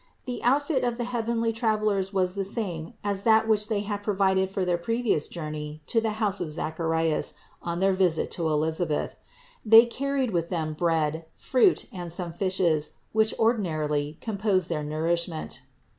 The outfit of the heavenly travelers was the same as that which they had provided for their previous journey to the house of Zacharias on their visit to Elisabeth. They carried with them bread, fruit and some fishes, which ordinarily composed their nourishment.